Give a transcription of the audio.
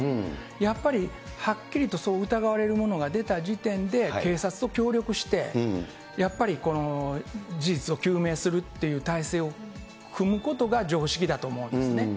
やっぱり、はっきりとそう疑われるものが出た時点で、警察と協力して、やっぱり事実を究明するっていう態勢を組むことが常識だと思うんですね。